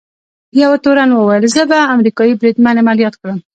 یوه تورن وویل: زه به امریکايي بریدمن عملیات کړم.